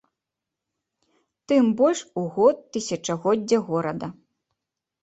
Тым больш у год тысячагоддзя горада.